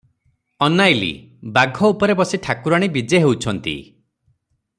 ଅନାଇଲି, ବାଘ ଉପରେ ବସି ଠାକୁରାଣୀ ବିଜେ ହେଉଛନ୍ତି ।